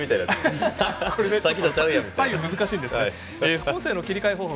副音声の切り替え方法